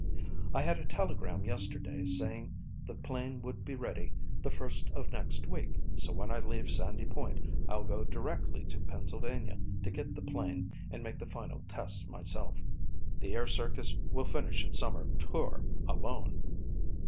I had a telegram yesterday saying the plane would be ready the first of next week so when I leave Sandy Point I'll go directly to Pennsylvania to get the plane and make the final tests myself. The air circus will finish its summer tour alone."